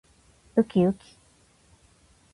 うきうき